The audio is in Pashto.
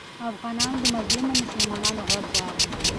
افغانانو د مظلومو مسلمانانو غږ واورېد.